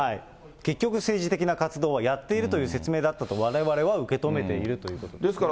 結局、政治的な活動はやっているという説明だったと、われわれは受け止めているということですね。